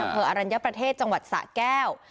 อรัญญประเทศจังหวัดสะแก้ว